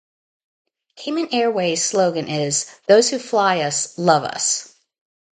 Cayman Airways' slogan is "Those who fly us love us".